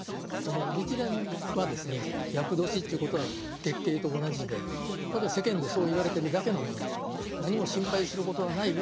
日蓮は厄年ということは月経と同じでただ世間でそう言われてるだけのものであって何も心配することはないよと。